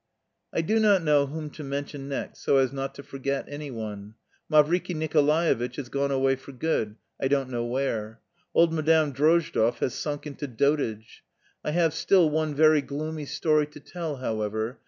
I do not know whom to mention next so as not to forget anyone. Mavriky Nikolaevitch has gone away for good, I don't know where. Old Madame Drozdov has sunk into dotage.... I have still one very gloomy story to tell, however.